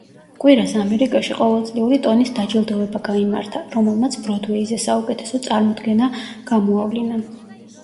კვირას ამერიკაში ყოველწლიური ტონის დაჯილდოვება გაიმართა, რომელმაც ბროდვეიზე საუკეთესო წარმოდგენა გამოავლინა.